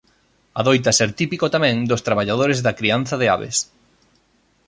Adoita ser típico tamén dos traballadores da crianza de aves.